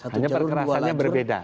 hanya perkerasannya berbeda